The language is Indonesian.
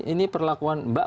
ini perlakuan mbak